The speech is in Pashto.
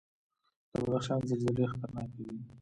د بدخشان زلزلې خطرناکې دي